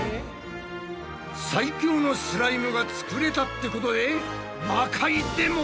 最強のスライムが作れたってことで魔界でも。